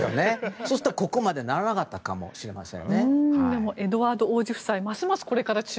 そうすると、ここまでならなかったかもしれません。